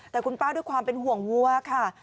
แต่คุณป้าด้วยความเป็นห่วงวัวค่ะ